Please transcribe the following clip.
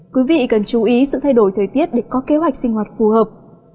quý vị cần chú ý sự thay đổi thời tiết để có kế hoạch sinh hoạt phù hợp